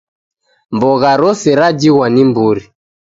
Mbogha rose rajighwa ni mburi